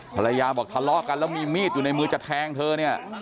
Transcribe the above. ภรรยาบอกทะเลาะกันแล้วมีมีดอยู่ในมือจะแทงเธอเนี่ย